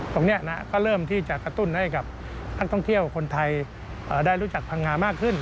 ตรงนี้ก็เริ่มที่จะกระตุ้นให้กับนักท่องเที่ยวคนไทยได้รู้จักพังงามากขึ้น